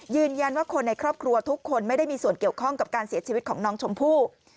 ยืนยันว่าคนในครอบครัวทุกคนไม่ได้มีส่วนเกี่ยวข้องกับการเสียชีวิตของน้องชมพู่